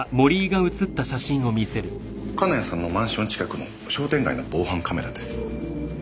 金谷さんのマンション近くの商店街の防犯カメラです。